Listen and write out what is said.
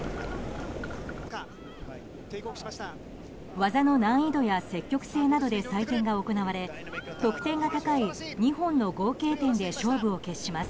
技の難易度や積極性などで採点が行われ得点が高い２本の合計点で勝負を決します。